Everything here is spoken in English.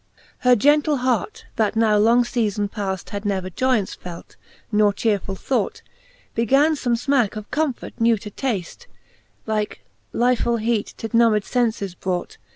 Her gentle hart, that now long feafon paft Had never joyaunce felt, nor chearefuU thought, Began fome fmacke of comfort new to taft, Like lyfefull heat to nummed fenfes brought.